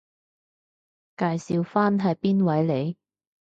介紹返係邊位嚟？